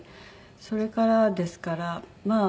それからですから。